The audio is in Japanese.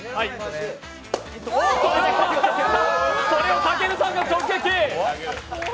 それをたけるさんが直撃！